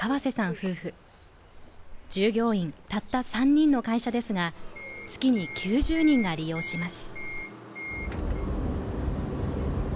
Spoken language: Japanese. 夫婦従業員たった３人の会社ですが、月に９０人が利用します。